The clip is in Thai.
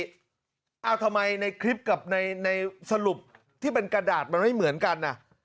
ทำไมในคลิปกับในสรุปที่เป็นกระดาษมันไม่เหมือนกัน